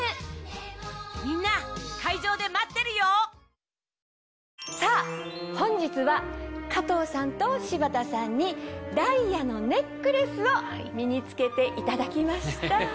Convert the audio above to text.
ニトリさぁ本日は加藤さんと柴田さんにダイヤのネックレスを身に着けていただきました。